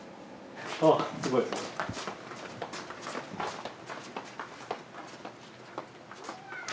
ああすごいすごい。